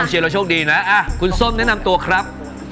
แหมราวเหลือสองสาวครับ